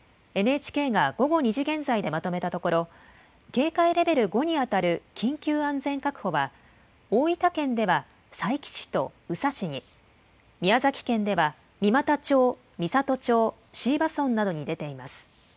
ＮＨＫが午後２時現在でまとめたところ、警戒レベル５に当たる緊急安全確保は、大分県では佐伯市と宇佐市に、宮崎県では三股町、美郷町、椎葉村などに出ています。